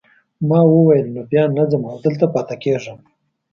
ما وویل نو بیا نه ځم او دلته پاتې کیږم.